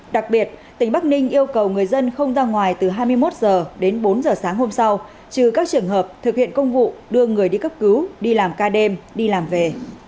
đặc biệt tỉnh bắc ninh yêu cầu người dân không ra ngoài từ hai mươi một h đến bốn h sáng hôm sau trừ các trường hợp thực hiện công vụ đưa người đi cấp cứu đi làm ca đêm đi làm về